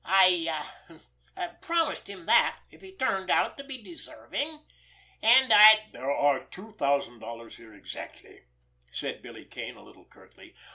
I—er—promised him that, if he turned out to be deserving, and I'd——" "There are two thousand dollars here exactly," said Billy Kane a little curtly.